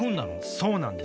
そうなんです。